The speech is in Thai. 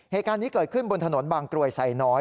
เหตุการณ์นี้เกิดขึ้นบนถนนบางกรวยไซน้อย